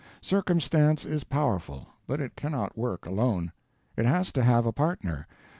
Circumstance is powerful, but it cannot work alone; it has to have a partner.